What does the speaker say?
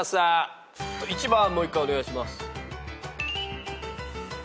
１番もう１回お願いします。